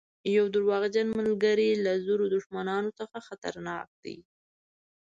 یو دروغجن ملګری له زرو دښمنانو څخه خطرناک دی.